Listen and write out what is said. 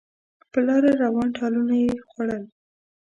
په لاره روان ټالونه یې خوړل